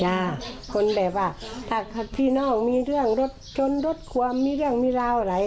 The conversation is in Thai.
จ้าคนแบบอ่ะถ้าที่นอกมีเรื่องชนรถความมีเรื่องมีราวอะไร